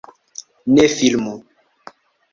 Ne filmu